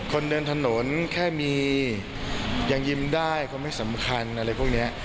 คนเดินถนนแค่มียังยิ้มได้ก็ไม่สำคัญอะไรพวกนี้